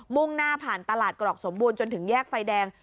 ่งหน้าผ่านตลาดกรอกสมบูรณจนถึงแยกไฟแดง